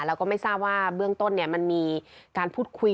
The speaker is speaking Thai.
แล้วก็ไม่ทราบว่าเบื้องต้นมันมีการพูดคุย